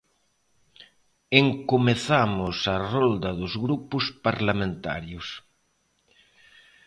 Encomezamos a rolda dos grupos parlamentarios.